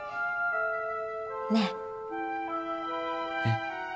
ねっ？えっ。